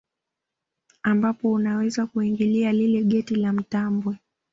Ambapo unaweza kuingilia lile geti la matambwe